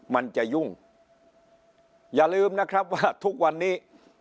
มันจะยุ่งอย่าลืมนะครับว่าทุกวันนี้